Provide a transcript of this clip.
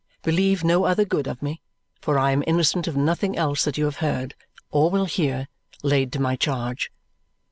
Believe no other good of me, for I am innocent of nothing else that you have heard, or will hear, laid to my charge.